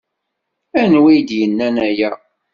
Anwa i d-yennan aya?